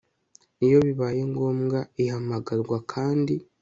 iyo bibaye ngombwa ihamagarwa kandi